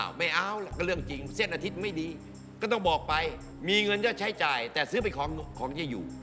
ไม่เอาล่ะก็เรื่องจริงเส้นอาทิตย์ไม่ดีก็ต้องบอกไปมีเงินยอดใช้จ่ายแต่ซื้อไปของจะอยู่